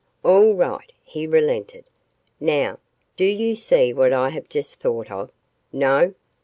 "All right," he relented. "Now, do you see what I have just thought of no?